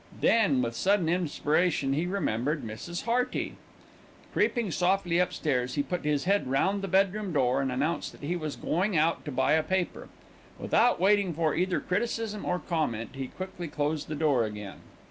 Then, with sudden inspiration, he remembered Mrs. Hearty. Creeping softly upstairs, he put his head round the bedroom door and announced that he was going out to buy a paper. Without waiting for either criticism or comment, he quickly closed the door again.